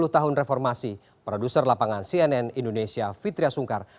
dua puluh tahun reformasi produser lapangan cnn indonesia fitria sungkar